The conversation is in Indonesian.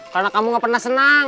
karena kamu gak pernah senang